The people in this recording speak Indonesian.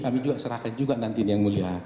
kami juga serahkan juga nanti ini yang mulia